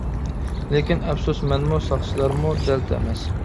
لېكىن ئەپسۇس، مەنمۇ، ساقچىلارمۇ دەلتە ئەمەس.